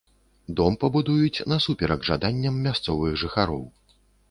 Дом пабудуюць насуперак жаданням мясцовых жыхароў.